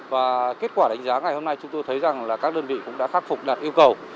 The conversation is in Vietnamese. và kết quả đánh giá ngày hôm nay chúng tôi thấy rằng là các đơn vị cũng đã khắc phục đạt yêu cầu